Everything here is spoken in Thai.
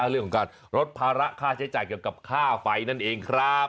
เรื่องของการลดภาระค่าใช้จ่ายเกี่ยวกับค่าไฟนั่นเองครับ